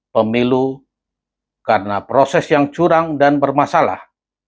pemilu karena proses yang curang dan bermasalah